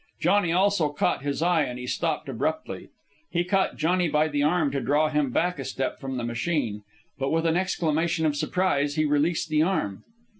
Johnny also caught his eye, and he stopped abruptly. He caught Johnny by the arm to draw him back a step from the machine; but with an exclamation of surprise he released the arm.